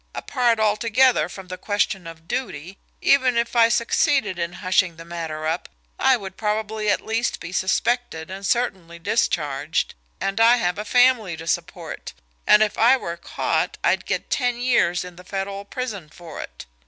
Apart altogether from the question of duty, even if I succeeded in hushing the matter up, I would probably at least be suspected and certainly discharged, and I have a family to support and if I were caught I'd get ten years in the Federal prison for it.